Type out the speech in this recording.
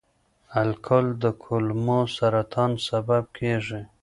الکول د کولمو سرطان سبب کېږي.